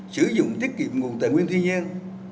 sử dụng tiết kiệm nguồn tài nguyên thiên nhiên